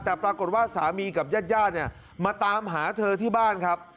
แต่ปรากฏว่าสามีกับญาติญาติเนี่ยมาตามหาเธอที่บ้านครับ